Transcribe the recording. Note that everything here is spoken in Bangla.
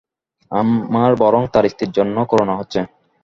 আমার বরং তার স্ত্রীর জন্য করুণা হচ্ছে।